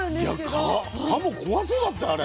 いやはも怖そうだったよあれ。